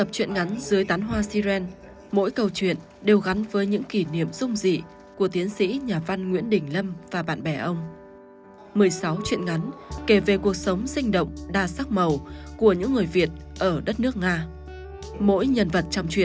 các bạn hãy đăng ký kênh để ủng hộ kênh của chúng mình nhé